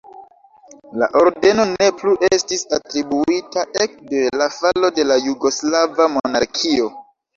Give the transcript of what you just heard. La ordeno ne plu estis atribuita ekde la falo de la jugoslava monarkio.